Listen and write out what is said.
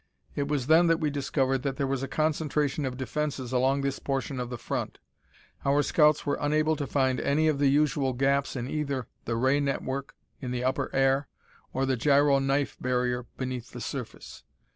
It was then that we discovered that there was a concentration of defenses along this portion of the front. Our scouts were unable to find any of the usual gaps in either the ray network in the upper air, or the gyro knife barrier beneath the surface.